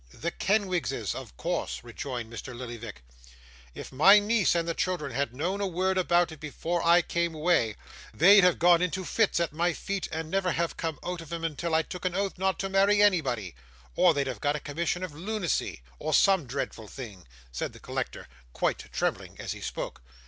'The Kenwigses of course,' rejoined Mr. Lillyvick. 'If my niece and the children had known a word about it before I came away, they'd have gone into fits at my feet, and never have come out of 'em till I took an oath not to marry anybody or they'd have got out a commission of lunacy, or some dreadful thing,' said the collector, quite trembling as he spoke.